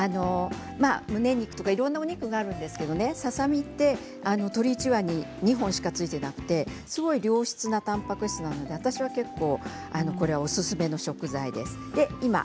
むね肉とかいろんなお肉があるんですがささ身って鶏１羽に２本しかついていなくて良質なたんぱく質なので、私はおすすめの食材です。